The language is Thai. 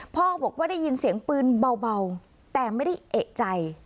พ่อบอกว่าได้ยินเสียงปืนเบาแต่ไม่ได้เอกใจ